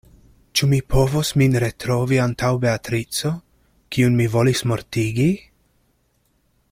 Ĉu mi povos min retrovi antaŭ Beatrico, kiun mi volis mortigi?